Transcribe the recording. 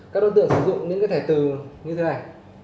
các đối tượng sử dụng những cái thẻ từ như thế này